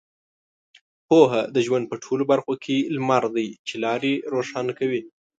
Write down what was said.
پوهه د ژوند په ټولو برخو کې لمر دی چې لارې روښانه کوي.